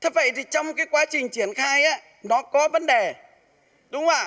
vậy thì trong quá trình triển khai nó có vấn đề đúng không ạ